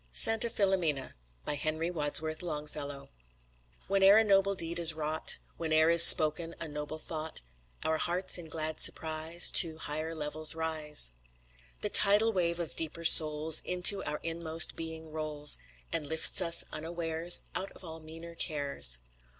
SANTA FILOMENA BY HENRY WADSWORTH LONGFELLOW When e'er a noble deed is wrought, When e'er is spoken a noble thought, Our hearts in glad surprise, To higher levels rise. The tidal wave of deeper souls Into our inmost being rolls, And lifts us unawares Out of all meaner cares.